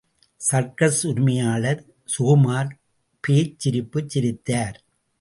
Circus உரிமையாளர் ககுமார் பேய்ச் சிரிப்புச் சிரித்தார்.